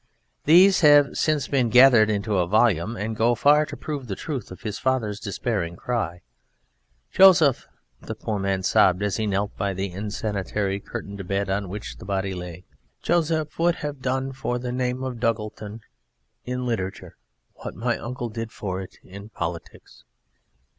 These have since been gathered into a volume and go far to prove the truth of his father's despairing cry: "Joseph," the poor man sobbed as he knelt by the insanitary curtained bed on which the body lay, "Joseph would have done for the name of Duggleton in literature what my Uncle did for it in politics."